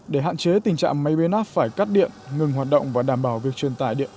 để hạn chế tình trạng máy biến áp phải cắt điện ngừng hoạt động và đảm bảo việc truyền tải điện